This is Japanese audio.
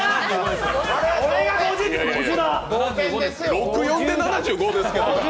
６：４で７５ですけどね。